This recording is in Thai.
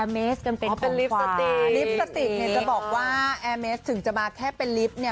ลิปสติกเนี่ยจะบอกว่าแอร์เมสถึงจะมาแค่เป็นลิฟต์เนี่ย